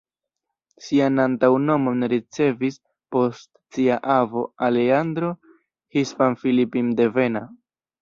Sian antaŭnomon ricevis post sia avo, Alejandro, hispan-filipindevena.